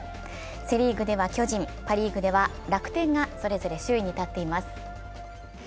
セ・リーグでは巨人、パ・リーグでは楽天が、それぞれ首位に立っています。